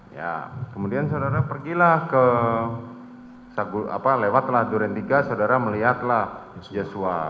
ya kemudian saudara pergilah ke saguling lewatlah durian tiga saudara melihatlah joshua